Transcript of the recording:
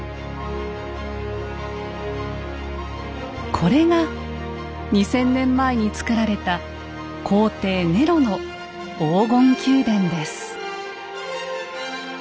これが２，０００年前に造られた皇帝ネロの黄金宮殿です。